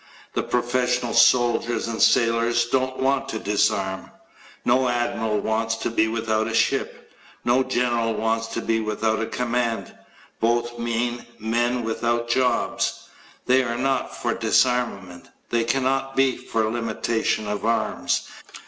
The professional soldiers and sailors don't want to disarm. No admiral wants to be without a ship. No general wants to be without a command. Both mean men without jobs. They are not for disarmament. They cannot be for limitations of arms.